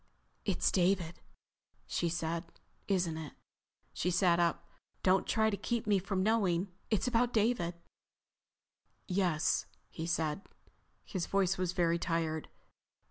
"It's David," she said. "Isn't it?" She sat up. "Don't try to keep me from knowing. It's about David." "Yes," he said. His voice was very tired.